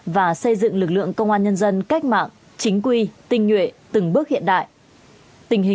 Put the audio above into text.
và xây dựng lực lượng công an nhân dân cách mạng chính quy tinh nhuệ từng bước hiện đại